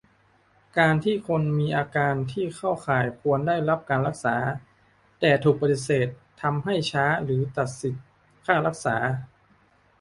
การที่คนมีอาการที่เข้าข่ายควรได้รับการรักษา แต่ถูกปฏิเสธ ทำให้ช้า หรือตัดสิทธิค่ารักษา